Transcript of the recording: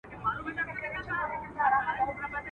د بزې چي کونه کاه وکي، د شپانه ډوډۍ و خوري.